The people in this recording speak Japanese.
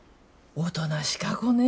おとなしか子ね。